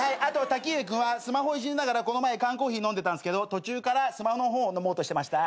たきうえ君はスマホいじりながらこの前缶コーヒー飲んでたんすけど途中からスマホの方を飲もうとしてました。